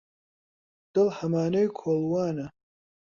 دڵ هەمانەی کۆڵوانە